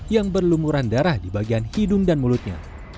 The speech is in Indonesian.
yang berlumuran darah di bagian hidung dan mulutnya